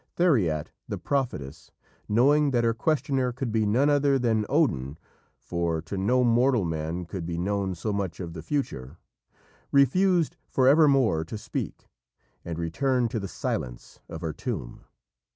_" Thereat the prophetess, knowing that her questioner could be none other than Odin, for to no mortal man could be known so much of the future, refused for evermore to speak, and returned to the silence of her tomb.